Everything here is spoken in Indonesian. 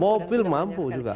mobil mampu juga